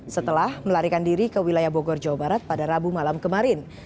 setelah melarikan diri ke wilayah bogor jawa barat pada rabu malam kemarin